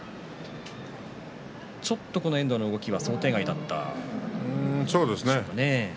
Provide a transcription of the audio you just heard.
ちょっと、この遠藤の動きは想定外だったでしょうかね。